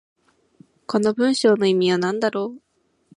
この文章の意味は何だろう。